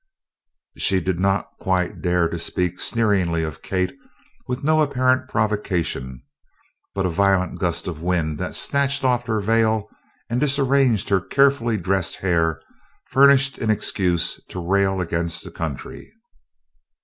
She did not quite dare to speak sneeringly of Kate with no apparent provocation, but a violent gust of wind that snatched off her veil and disarranged her carefully dressed hair furnished an excuse to rail against the country.